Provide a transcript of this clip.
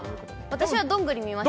私はどんぐり見ました。